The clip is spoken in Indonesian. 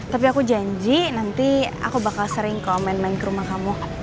tapi aku janji nanti aku bakal sering ke main main ke rumah kamu